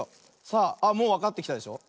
さあもうわかってきたでしょ。